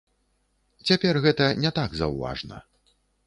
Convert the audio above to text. Цяпер гэта не так заўважна.